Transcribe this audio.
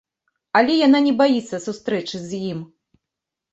Але яна не баіцца сустрэчы з ім.